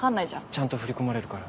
ちゃんと振り込まれるから。